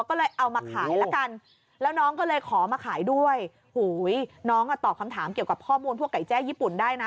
ก็เลยเอามาขายละกันแล้วน้องก็เลยขอมาขายด้วยหูยน้องอ่ะตอบคำถามเกี่ยวกับข้อมูลพวกไก่แจ้ญี่ปุ่นได้นะ